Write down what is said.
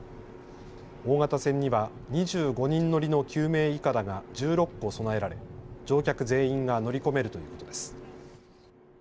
大型船には２５人乗りの救命いかだが１６個備えられ乗客全員が乗り込めるということです。